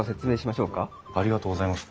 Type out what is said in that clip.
ありがとうございます。